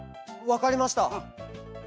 わかりました。